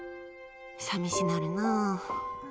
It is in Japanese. さみしなるな。